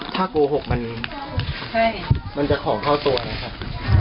ถ้าโกหกมันจะของเข้าตัวนะครับ